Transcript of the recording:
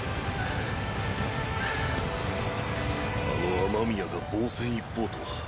あの雨宮が防戦一方とは。